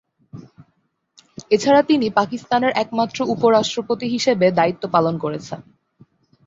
এছাড়া তিনি পাকিস্তানের একমাত্র উপরাষ্ট্রপতি হিসেবে দায়িত্ব পালন করেছেন।